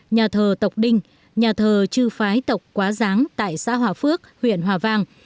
nhà thờ tộc đinh nhà thờ chư phái tộc quá giáng tại xã hòa phước huyện hòa vang